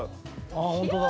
あっホントだ。